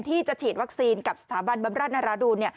ที่จะฉีดวัคซีนกับสถาบันบำราชนราดูน